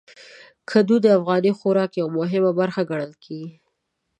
کدو د افغاني خوراک یو مهم برخه ګڼل کېږي.